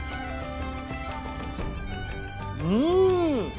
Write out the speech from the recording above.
うん。